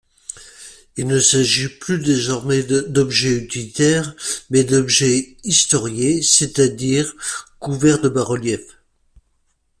Il ne s'agit plus désormais d'objets utilitaires, mais d'objets historiés c’est-à-dire couvert de bas-reliefs.